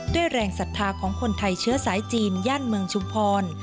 แรงศรัทธาของคนไทยเชื้อสายจีนย่านเมืองชุมพร